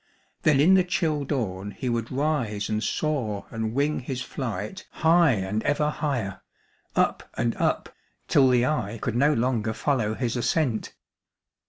Then in the chill dawn he would rise and soar and wing his flight high and ever higher, up and up, till the eye could no longer follow his ascent.